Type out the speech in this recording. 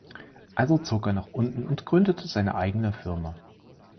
Also zog er nach unten und gründete seine eigene Firma ...